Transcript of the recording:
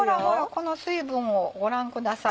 この水分をご覧ください。